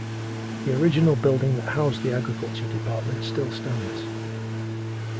The original building that housed the agriculture department still stands.